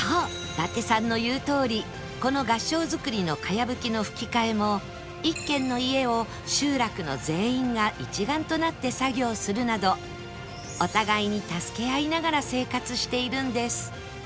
伊達さんの言うとおりこの合掌造りの茅葺きの葺き替えも一軒の家を集落の全員が一丸となって作業するなどお互いに助け合いながら生活しているんです